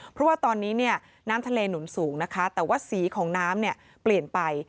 เพราะว่าตอนนี้เนี่ยน้ำทะเลหนุนสูงนะคะแต่ว่าสีของน้ำเนี่ยเปลี่ยนไป